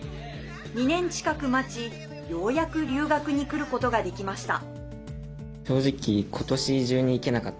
２年近く待ち、ようやく留学に来ることができました。